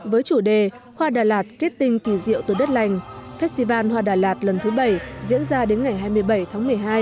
với chủ đề hoa đà lạt kết tinh kỳ diệu từ đất lành festival hoa đà lạt lần thứ bảy diễn ra đến ngày hai mươi bảy tháng một mươi hai